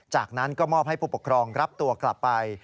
จากนั้นก็มอบให้ผู้ปกครองรับตัวกลับไป